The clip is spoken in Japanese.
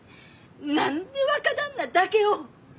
何で若旦那だけを！